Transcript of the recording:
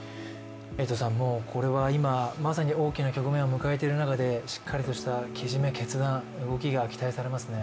これは今、まさに大きな局面を迎えている中で、しっかりとしたけじめ、決断、動きが期待されますね。